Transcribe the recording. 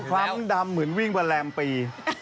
ผิวคล้ำดำเหมือนวิ่งแบรนด์ปี